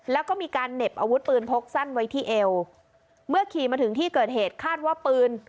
แล้วก็มีการเหน็บอาวุธปืนพกสั้นไว้ที่เอวเมื่อขี่มาถึงที่เกิดเหตุคาดว่าปืน